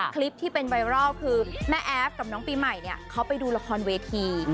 คลิปที่เป็นไวรัลคือแม่แอฟกับน้องปีใหม่เนี่ยเขาไปดูละครเวที